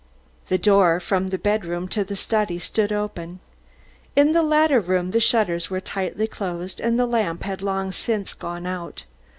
The door from the bedroom to the study stood open. In the latter room the shutters were tightly closed, and the lamp had long since gone out.